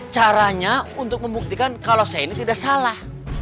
caranya untuk membuktikan kalau saya ini tidak salah